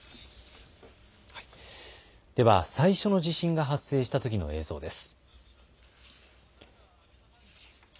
では最初の地震が発生したときの映像です。